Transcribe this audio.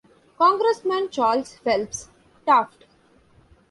Congressman Charles Phelps Taft.